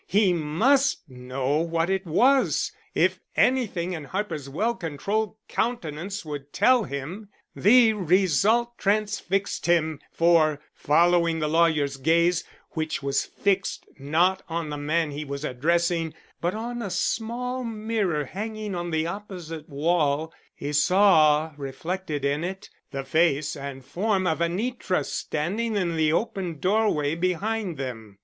He must know what it was, if anything in Harper's well controlled countenance would tell him. The result transfixed him, for following the lawyer's gaze, which was fixed not on the man he was addressing but on a small mirror hanging on the opposite wall, he saw reflected in it the face and form of Anitra standing in the open doorway behind them.